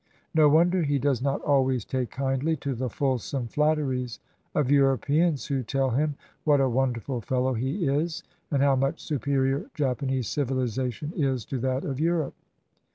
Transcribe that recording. No wonder he does not always take kindly to the fulsome flatteries of Europeans who tell him what a wonderful fellow he is, and how much superior Japanese civilization is to that of Europe.